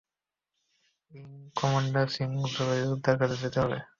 Wing commander Singh, জরুরি উদ্ধারকাজে যেতে হবে।